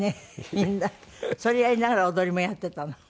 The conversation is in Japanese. それやりながら踊りもやっていたの？